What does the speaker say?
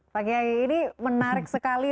pak kiai ini menarik sekali